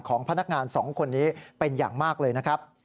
พนักงานสองคนนี้เป็นอย่างมากเลยนะครับ